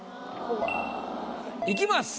いきます。